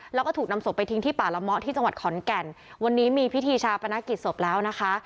แล้วก็ถูกนำศพไปทิ้งที่ป่าละเมาะที่จังหวัดขอนแก่นวันนี้มีพิธีชาปนกิจศพแล้วนะคะ